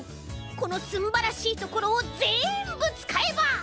このすんばらしいところをぜんぶつかえば。